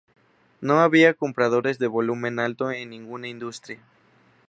No había compradores de volumen alto en ninguna industria.